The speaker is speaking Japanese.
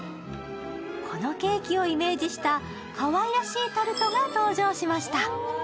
このケーキをイメージした、かわいらしいタルトが登場しました。